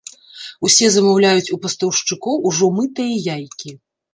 Усе замаўляюць у пастаўшчыкоў ужо мытыя яйкі.